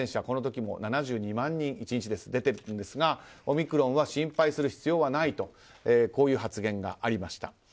この時も１日で７２万人出てるんですがオミクロンは心配する必要はないとこういう発言がありました。